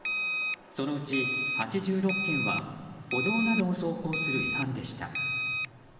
そのうち８６件は歩道などを走行する違反でした。